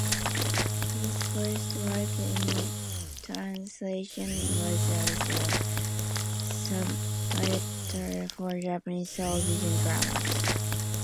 His first work in translation was as a subtitler for Japanese television dramas.